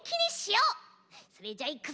それじゃあいくぞ！